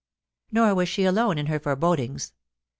Nor was she alone in her forebodings.